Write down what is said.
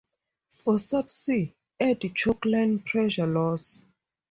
For subsea, add choke line pressure loss.